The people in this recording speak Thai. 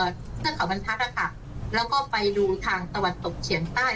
เทือกเขาบรรทัศน์นะคะแล้วก็ไปดูทางตะวันตกเฉียงใต้